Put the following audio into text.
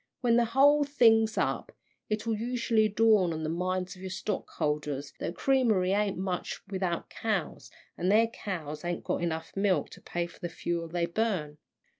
When the whole thing's up, it'll usually dawn on the minds of your stockholders that a creamery ain't much without cows, and their cows ain't got enough milk to pay for the fuel they burn.